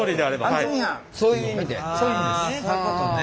そういう意味で。